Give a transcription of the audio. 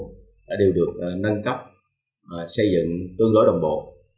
đều được nâng cấp xây dựng tương đối đồng bộ